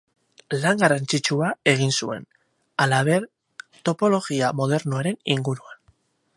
Lan garrantzitsua egin zuen, halaber, topologia modernoaren inguruan.